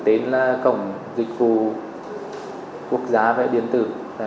cái cổng dịch vụ là cổng dịch vụ của quốc gia về điện tử